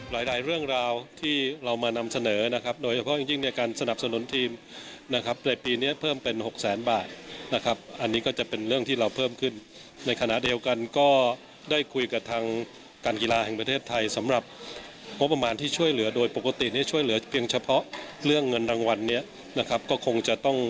หลายหลายเรื่องราวที่เรามานำเสนอนะครับโดยเฉพาะอย่างยิ่งในการสนับสนุนทีมนะครับในปีนี้เพิ่มเป็นหกแสนบาทนะครับอันนี้ก็จะเป็นเรื่องที่เราเพิ่มขึ้นในขณะเดียวกันก็ได้คุยกับทางการกีฬาแห่งประเทศไทยสำหรับงบประมาณที่ช่วยเหลือโดยปกติเนี่ยช่วยเหลือเพียงเฉพาะเรื่องเงินรางวัลเนี่ยนะครับก็คงจะต้อง